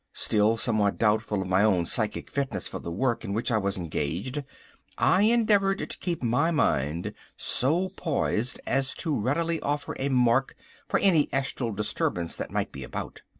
Still somewhat doubtful of my own psychic fitness for the work in which I was engaged, I endeavoured to keep my mind so poised as to readily offer a mark for any astral disturbance that might be about.